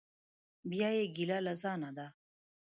بیا یې ګیله له ځانه ده.